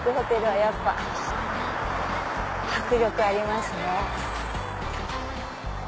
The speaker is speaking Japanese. やっぱ迫力ありますね。